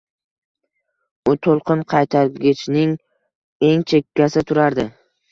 U to`lqinqaytargichning eng chekkasida turardi